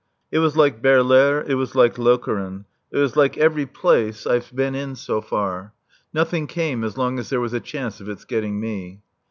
It was like Baerlaere it was like Lokeren it was like every place I've been in, so far. Nothing came as long as there was a chance of its getting me.